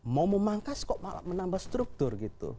mau memangkas kok malah menambah struktur gitu